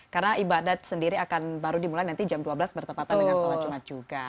karena ibadah sendiri akan baru dimulai nanti jam dua belas bertepatan dengan sholat jumat juga